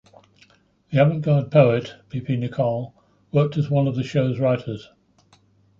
The avant-garde poet bpNichol worked as one of the show's writers.